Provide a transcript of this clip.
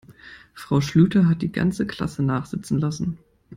Frau Schlüter hat die ganze Klasse nachsitzen lassen.